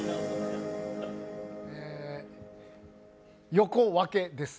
横分け、です。